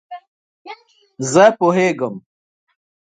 زه پوهیږم